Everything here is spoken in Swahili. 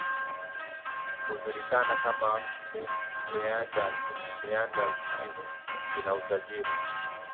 hujulikana kama meanders Meanders hizi zina utajiri